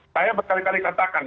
saya berkali kali katakan